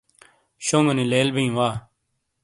شونگونی لیل بئیں وا۔